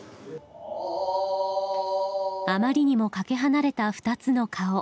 あまりにもかけ離れた２つの顔。